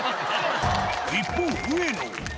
一方、植野。